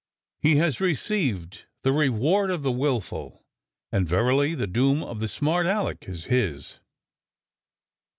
He has received the reward of the willful, and verily the doom of the smart Aleck is his."